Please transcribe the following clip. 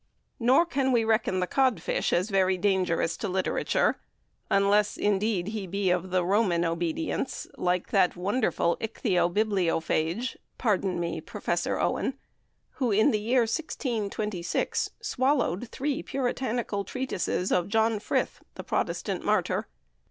Nor can we reckon the Codfish as very dangerous to literature, unless, indeed, he be of the Roman obedience, like that wonderful Ichthiobibliophage (pardon me, Professor Owen) who, in the year 1626, swallowed three Puritanical treatises of John Frith, the Protestant martyr.